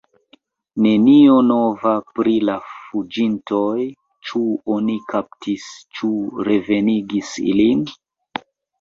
Nenio nova pri la fuĝintoj: ĉu oni kaptis, ĉu revenigis ilin?